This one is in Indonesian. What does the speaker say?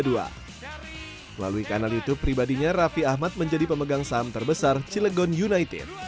melalui kanal youtube pribadinya raffi ahmad menjadi pemegang saham terbesar cilegon united